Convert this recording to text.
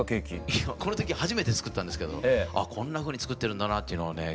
いやこの時初めて作ったんですけどああこんなふうに作ってるんだなというのをね